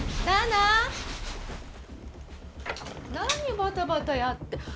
なにバタバタやって。